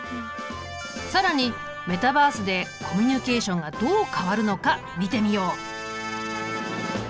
更にメタバースでコミュニケーションがどう変わるのか見てみよう。